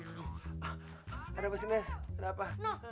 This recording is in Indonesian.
ada apa sih nes ada apa